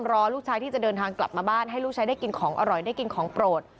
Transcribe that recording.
รอลูกชายที่จะเดินทางกลับมาบ้านให้ลูกชายได้กินของอร่อยได้กินของโปรด